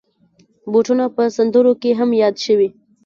بوټونه په سندرو کې هم یاد شوي.